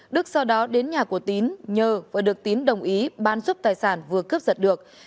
đức sau đó đến nhà của tín nhờ và được tín đồng ý bán giúp tài sản vừa cướp giật được